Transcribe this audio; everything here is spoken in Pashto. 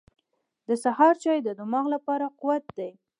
• د سهار چای د دماغ لپاره قوت دی.